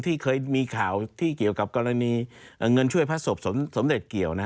ที่เคยมีข่าวที่เกี่ยวกับกรณีเงินช่วยพระศพสมเด็จเกี่ยว